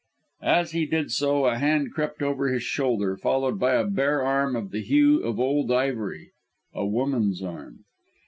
As he did so a hand crept over his shoulder followed by a bare arm of the hue of old ivory a woman's arm!